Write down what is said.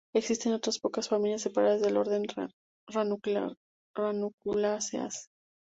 Existen otras pocas familias separadas del orden Ranunculaceae.